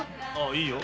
いいよ。